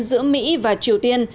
giữa mỹ và triều tiên